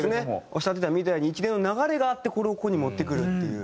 おっしゃってたみたいに一連の流れがあってこれをここに持ってくるっていう。